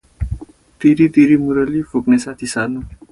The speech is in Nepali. तिरितिरी मुरली, फुक्ने साथी सानु ।